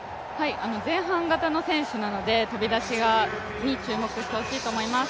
前半型の選手なので、飛び出しに注目してほしいと思います。